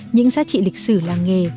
những giá trị lịch sử làng nghề